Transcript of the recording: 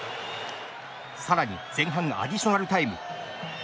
さらに前半アディショナルタイム。